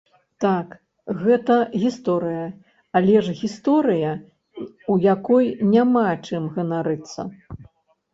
Так, гэта гісторыя, але ж гісторыя, у якой няма чым ганарыцца.